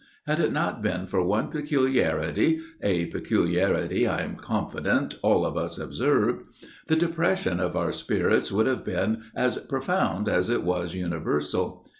Had it not been for one peculiarity, a peculiarity, I am confident, all of us observed, the depression of our spirits would have been as profound as it was universal.